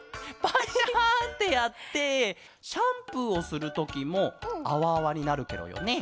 バッシャってやってシャンプーをするときもあわあわになるケロよね。